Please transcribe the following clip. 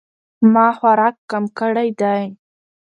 ما خوراک کم کړی دی